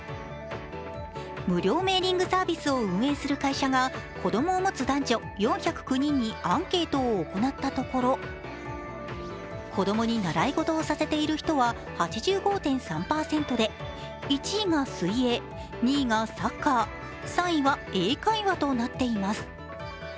無料メーリングサービスを運営する会社が子供を持つ男女４０９人にアンケートを行ったところ子供に習い事をさせている人は８５．３％で１位が水泳、２位がサッカー、３位は英会話となっています。